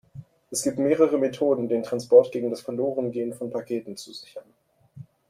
Es gibt mehrere Methoden den Transport gegen das Verlorengehen von Paketen zu sichern.